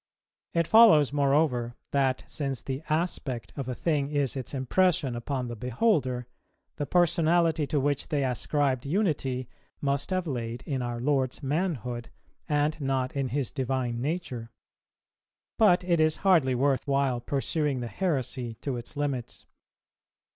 It follows moreover that, since the aspect of a thing is its impression upon the beholder, the personality to which they ascribed unity must have laid in our Lord's manhood, and not in His Divine Nature. But it is hardly worth while pursuing the heresy to its limits.